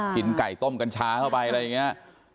กินไก่ต้มกัญชาเข้าไปอะไรอย่างนี้